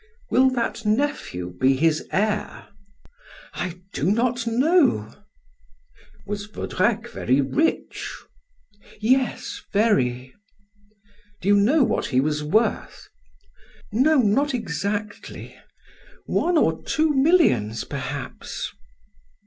"Will that nephew be his heir?" "I do not know." "Was Vaudrec very rich?" "Yes, very." "Do you know what he was worth?" "No, not exactly one or two millions perhaps."